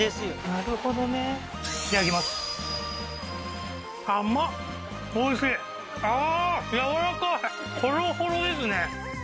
なるほどねいただきます甘っおいしいああー軟らかいほろほろですね